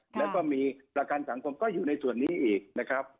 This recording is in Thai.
แล้วก็มีประกันสังคมก็อยู่ในส่วนนี้อีกนะครับ